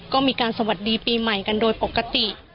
ก็มีการสวัสดีปีใหม่กันโดยปกติ